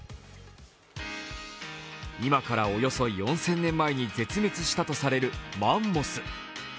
今からおよそ４０００年前に絶滅したとされるマンモス。